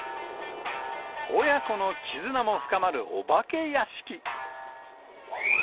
親子の絆も深まるお化け屋敷。